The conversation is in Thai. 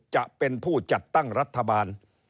จะเป็นผู้จัดตั้งรัฐบาล